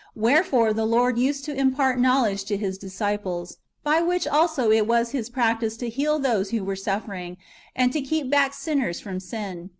Wherefore the Lord used to impart knowledge to His disciples, by which also it was His practice to heal those who were suffering, and to keep back sinners from sin.